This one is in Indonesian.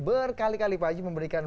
berkali kali pak haji memberikan